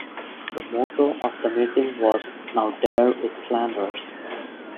The motto of the meeting was "Now dare with Flanders.".